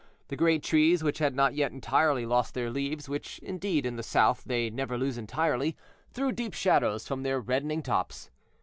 The great trees, which had not yet entirely lost their leaves, which, indeed, in the south they never lose entirely, threw deep shadows from their reddening tops.